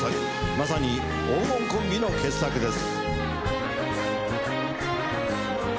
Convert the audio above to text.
まさに黄金コンビの傑作です。